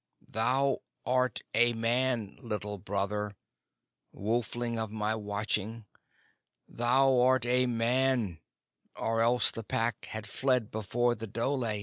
"Thou art a man, Little Brother, wolfling of my watching. Thou art a man, or else the Pack had fled before the dhole.